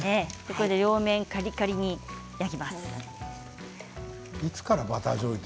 ここで両面をカリカリに焼きます。